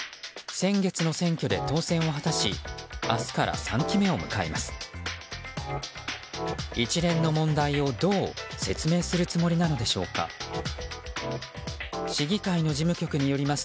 先月の選挙で当選を果たし明日から３期目を迎えます。